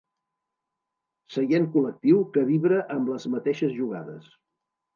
Seient col·lectiu que vibra amb les mateixes jugades.